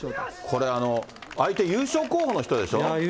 これ、相手、優勝候補の人でしょ？